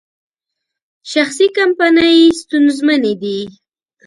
شخصي کمپنۍ ستونزمنې دي.